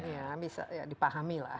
ya bisa dipahami lah